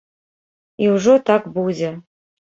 І ўжо так будзе.